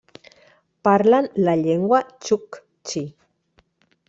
Parlen la llengua txuktxi.